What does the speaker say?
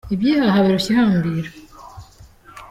Iby’ihaha birushya ihambira.